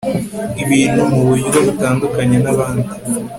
ibintu muburyo butandukanye nabandi